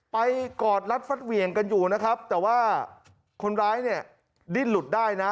กอดรัดฟัดเหวี่ยงกันอยู่นะครับแต่ว่าคนร้ายเนี่ยดิ้นหลุดได้นะ